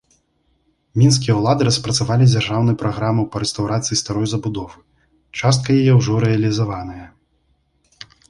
Мінскія ўлады распрацавалі дзяржаўную праграму па рэстаўрацыі старой забудовы, частка яе ўжо рэалізаваная.